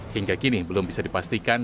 hingga kini belum bisa dipastikan